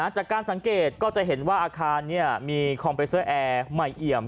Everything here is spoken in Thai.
จากการสังเกตก็จะเห็นว่าอาคารมีคอมเปเซอร์แอร์ใหม่เอี่ยม